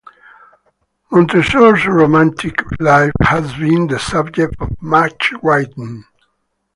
Montresor's romantic life has been the subject of much writing.